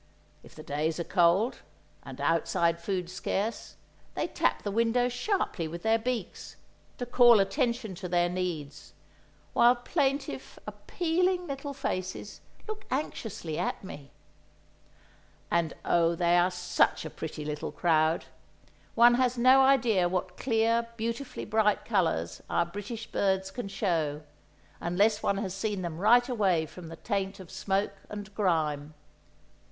If the days are cold, and outside food scarce, they tap the window sharply with their beaks, to call attention to their needs, while plaintive, appealing little faces look anxiously at me. And oh, they are such a pretty little crowd. One has no idea what clear, beautifully bright colour our British birds can show, unless one has seen them right away from the taint of smoke and grime.